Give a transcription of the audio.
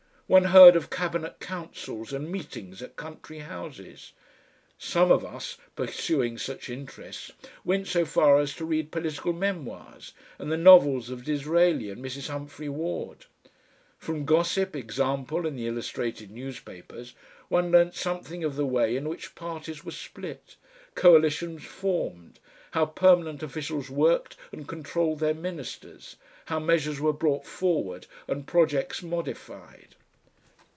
One heard of cabinet councils and meetings at country houses. Some of us, pursuing such interests, went so far as to read political memoirs and the novels of Disraeli and Mrs. Humphry Ward. From gossip, example and the illustrated newspapers one learnt something of the way in which parties were split, coalitions formed, how permanent officials worked and controlled their ministers, how measures were brought forward and projects modified.